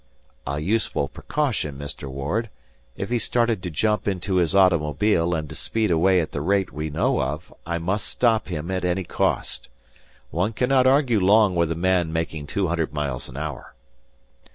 "A useful precaution, Mr. Ward. If he started to jump into his automobile and to speed away at the rate we know of, I must stop him at any cost. One cannot argue long with a man making two hundred miles an hour!"